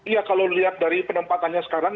ya kalau dilihat dari penempatannya sekarang